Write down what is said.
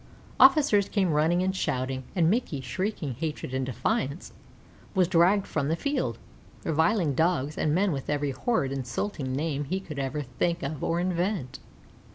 Officers came running and shouting, and Mickey, shrieking hatred and defiance, was dragged from the field, reviling Dogs and men with every horrid, insulting name he could think of or invent.